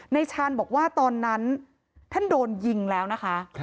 ชาญบอกว่าตอนนั้นท่านโดนยิงแล้วนะคะ